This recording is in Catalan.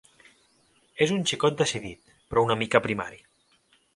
És un xicot decidit, però una mica primari.